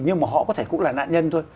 nhưng họ có thể cũng là nạn nhân thôi